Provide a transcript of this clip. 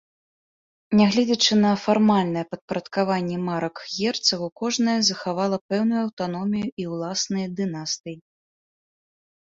Нягледзячы на фармальнае падпарадкаванне марак герцагу, кожная захавала пэўную аўтаномію і ўласныя дынастыі.